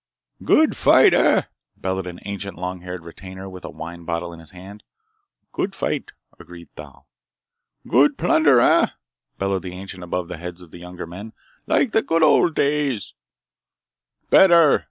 "Good fight, eh?" bellowed an ancient, long retired retainer with a wine bottle in his hand. "Good fight!" agreed Thal. "Good plunder, eh?" bellowed the ancient above the heads of younger men. "Like the good old days?" "Better!"